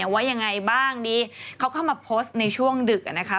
ว่ายังไงบ้างดีเขาเข้ามาโพสต์ในช่วงดึกนะคะ